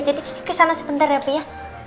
jadi ke sana sebentar ya